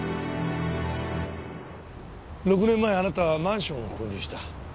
６年前あなたはマンションを購入した。